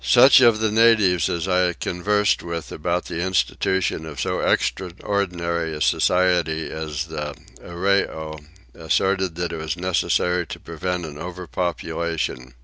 Such of the natives as I conversed with about the institution of so extraordinary a society as the Arreoy asserted that it was necessary to prevent an overpopulation.